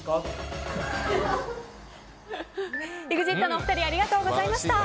ＥＸＩＴのお二人ありがとうございました。